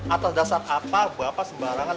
atas dasar apa bapak sembarangan